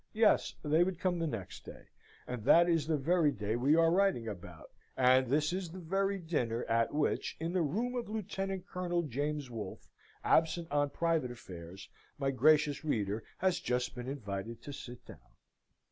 Yes, they would come the next day and that is the very day we are writing about: and this is the very dinner, at which, in the room of Lieutenant Colonel James Wolfe, absent on private affairs, my gracious reader has just been invited to sit down.